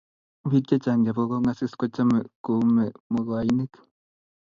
biik chechang chebo kongasis kuchome kuome mokoinik